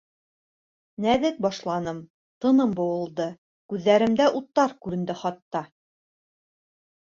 Нәҙек башланым, тыным быуылды, күҙҙәремдә уттар күренде хатта.